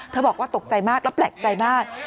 บอกว่าตกใจมากแล้วแปลกใจมาก